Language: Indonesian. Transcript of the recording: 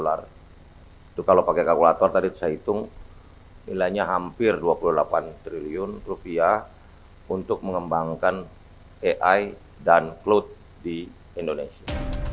itu kalau pakai kalkulator tadi saya hitung nilainya hampir dua puluh delapan triliun rupiah untuk mengembangkan ai dan cloud di indonesia